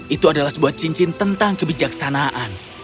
itu adalah sebuah cincin tentang kebijaksanaan